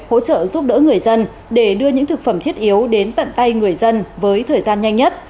hỗ trợ giúp đỡ người dân để đưa những thực phẩm thiết yếu đến tận tay người dân với thời gian nhanh nhất